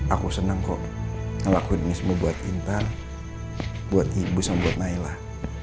aku senang kok ngelakuin ini semua buat intan buat ibu sama buat naila